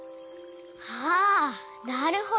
ああなるほど！